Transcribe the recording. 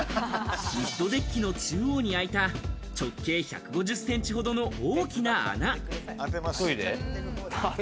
ウッドデッキの中央に開いた直径１５０センチほどの大きな穴。